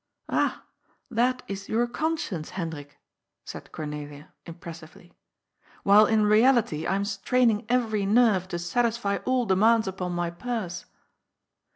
*^ Ah, that is your conscience, Hendrik," said Cornelia, impressively. " While in reality I am straining every nerve to satisfy all demands upon my purse."